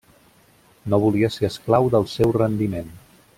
No volia ser esclau del seu rendiment.